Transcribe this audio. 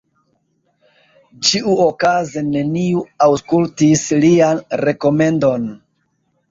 Ĉiuokaze neniu aŭskultis lian rekomendon.